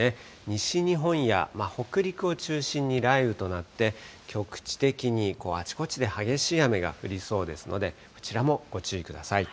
西日本や北陸を中心に雷雨となって、局地的にあちこちで激しい雨が降りそうですので、こちらもご注意ください。